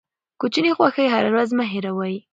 کوچني خوښۍ هره ورځ مه هېروئ.